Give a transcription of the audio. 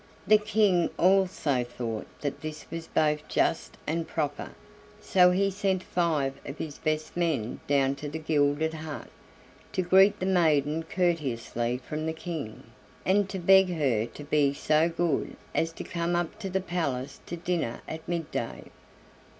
The King also thought that this was both just and proper, so he sent five of his best men down to the gilded hut, to greet the maiden courteously from the King, and to beg her to be so good as to come up to the palace to dinner at mid day.